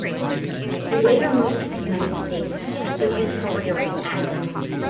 He later moved to the United States to pursue his career in acting.